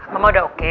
mama udah oke